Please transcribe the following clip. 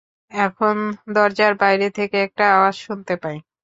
তখন দরজার বাইরে থেকে একটা আওয়াজ শুনতে পাই।